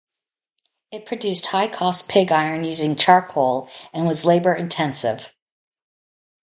It produced high-cost pig iron using charcoal, and was labour-intensive.